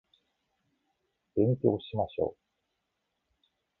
勉強しましょう